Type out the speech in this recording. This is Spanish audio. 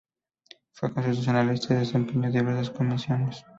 Fue constitucionalista y desempeñó diversas comisiones.